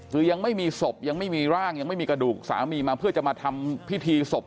คือยังไม่มีศพยังไม่มีร่างยังไม่มีกระดูกสามีมาเพื่อจะมาทำพิธีศพ